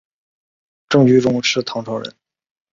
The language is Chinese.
郑居中是唐朝人。